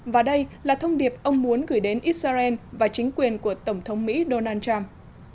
và đây là thông điệp ông muốn gửi đến israel và chính quyền của tổng thống mỹ donald trump